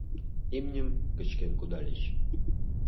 Имньым кычкен кудальыч.